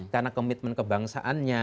karena komitmen kebangsaannya